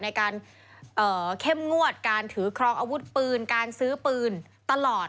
ในการเข้มงวดการถือครองอาวุธปืนการซื้อปืนตลอด